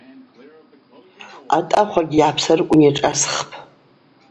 Атӏахвагьи йгӏапсарыквын йашӏасхпӏ.